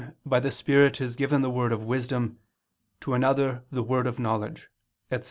. by the Spirit is given the word of wisdom, to another the word of knowledge," etc.